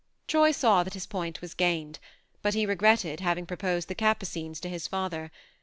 Troy saw that his point was gained ; THE MARNE 81 but he regretted having proposed the Capucines to his father.